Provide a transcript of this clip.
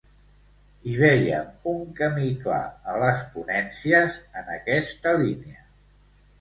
I veiem un camí clar a les ponències en aquesta línia.